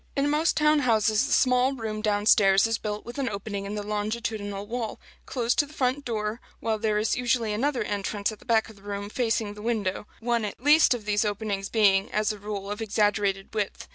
In most town houses the small room down stairs is built with an opening in the longitudinal wall, close to the front door, while there is usually another entrance at the back of the room, facing the window; one at least of these openings being, as a rule, of exaggerated width.